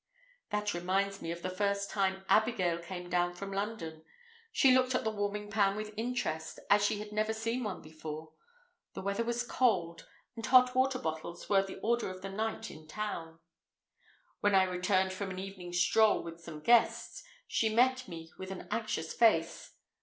That reminds me of the first time Abigail came down from London. She looked at the warming pan with interest, as she had never seen one before. The weather was cold, and hot water bottles were the order of the night in town. When I returned from an evening stroll with some guests, she met me with an anxious face.